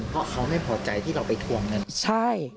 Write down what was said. เพราะเขาไม่พอใจที่เราไปทวงเงินใช่